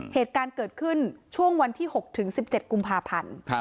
เหตุการณ์เกิดขึ้นช่วงวันที่๖ถึง๑๗กุมภาพันธ์